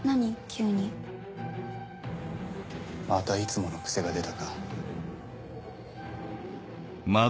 急にまたいつもの癖が出たか？